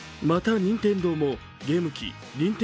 また、任天堂もゲーム機